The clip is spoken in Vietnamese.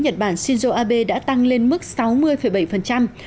nhật bản shinzo abe đã tăng lên mức